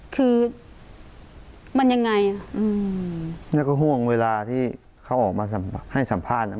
คือมันยังไงอ่ะอืมแล้วก็ห่วงเวลาที่เขาออกมาให้สัมภาษณ์อ่ะ